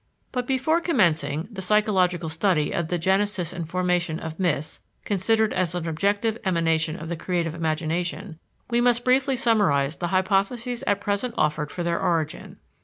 But before commencing the psychological study of the genesis and formation of myths considered as an objective emanation of the creative imagination, we must briefly summarize the hypotheses at present offered for their origin.